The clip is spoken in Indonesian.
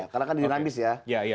karena kan dinamis ya